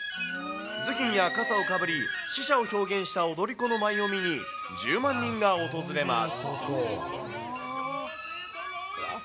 頭巾やかさをかぶり、死者を表現した踊り子の舞いを見に、１０万人が訪れます。